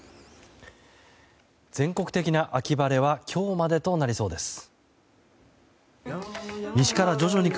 全国的な秋晴れは今日までとなりそうです。